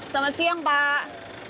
selamat siang pak